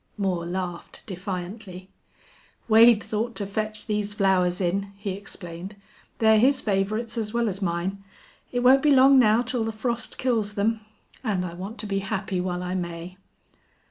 Moore laughed defiantly. "Wade thought to fetch these flowers in," he explained. "They're his favorites as well as mine. It won't be long now till the frost kills them ... and I want to be happy while I may!"